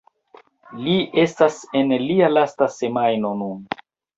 Li estas en lia lasta semajno nun.